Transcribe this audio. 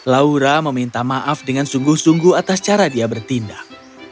laura meminta maaf dengan sungguh sungguh atas cara dia bertindak